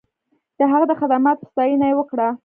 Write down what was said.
د هغه د خدماتو ستاینه یې وکړه.